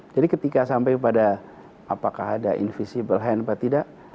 jadi ketika sampai pada apakah ada invisible hand atau tidak